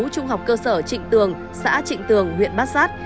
trung học cơ sở trịnh tường xã trịnh tường huyện bát sát